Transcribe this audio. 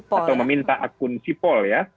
atau meminta akun sipol